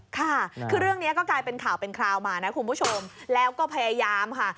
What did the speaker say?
ค่ะคือเรื่องนี้ก็กลายเป็นข่าวเป็นคราวมานะคุณผู้ชมแล้วก็พยายามค่ะ